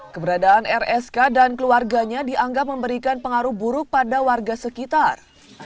keberadaan rsk dan keluarganya dianggap memberikan pengaruh buruk pada warga sekitar